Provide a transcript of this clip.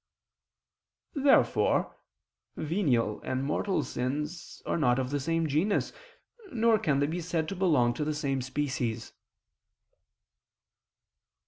Therefore venial and mortal sins are not of the same genus, nor can they be said to belong to the same species.